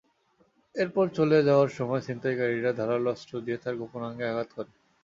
এরপর চলে যাওয়ার সময় ছিনতাইকারীরা ধারালো অস্ত্র দিয়ে তাঁর গোপনাঙ্গে আঘাত করে।